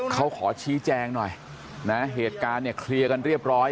เขาขอชี้แจงหน่อยนะเหตุการณ์เนี่ยเคลียร์กันเรียบร้อย